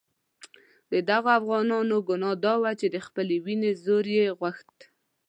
د دغو افغانانو ګناه دا وه چې د خپلې وینې زور یې غوښت.